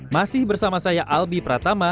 masih bersama saya albi pratama